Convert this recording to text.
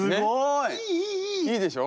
いいでしょ？